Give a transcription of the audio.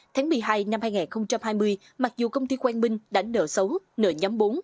tháng một mươi hai năm hai nghìn hai mươi mặc dù công ty quang minh đánh nợ xấu nợ nhắm bốn